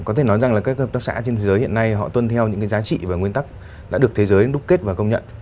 có thể nói rằng là các hợp tác xã trên thế giới hiện nay họ tuân theo những cái giá trị và nguyên tắc đã được thế giới đúc kết và công nhận